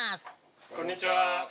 こんにちは。